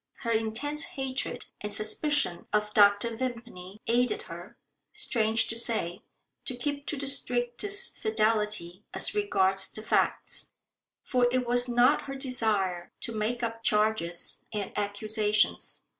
Her intense hatred and suspicion of Dr. Vimpany aided her, strange to say, to keep to the strictest fidelity as regards the facts. For it was not her desire to make up charges and accusations.